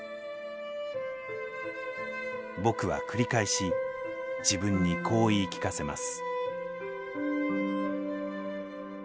僕は繰り返し自分にこう言い聞かせます。